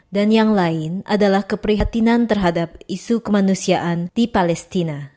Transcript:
dan yang lain adalah keprihatinan terhadap isu kemanusiaan di palestina